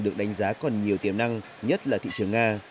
được đánh giá còn nhiều tiềm năng nhất là thị trường nga